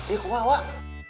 eh kok gak wah